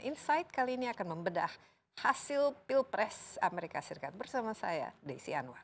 insight kali ini akan membedah hasil pilpres amerika serikat bersama saya desi anwar